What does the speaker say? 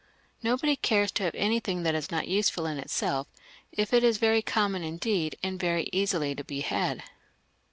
Nobody cares to have anything that is not useful in itself, if it is very common indeed, and very easily to be had.